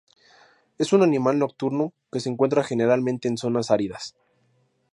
Es un animal nocturno que se encuentra generalmente en zonas áridas.